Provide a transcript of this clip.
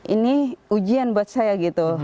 ini ujian buat saya gitu